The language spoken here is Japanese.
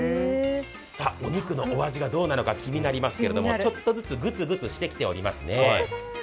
お肉のお味が、どうなのか気になりますけれどもちょっとずつグツグツしてきておりますね。